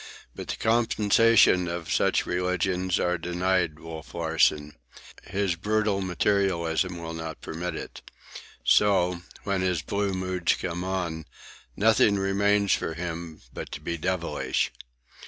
But the compensations of such religion are denied Wolf Larsen. His brutal materialism will not permit it. So, when his blue moods come on, nothing remains for him, but to be devilish.